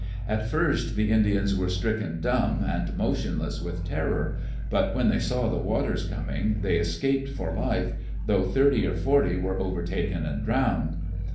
At first the Indians were stricken dumb, and motionless with terror, but when they saw the waters coming, they escaped for life, though thirty or forty were overtaken and drowned.